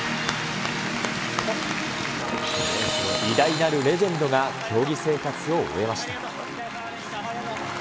偉大なるレジェンドが競技生活を終えました。